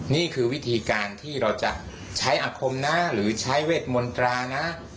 นี่คือวิธีการที่เราจะใช้อาคมนะหรือใช้เวทมนตรานะ